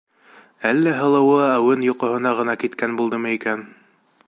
Әллә һылыуы әүен йоҡоһона ғына киткән булдымы икән?